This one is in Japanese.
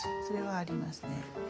それはありますね。